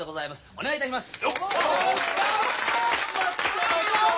お願いいたします。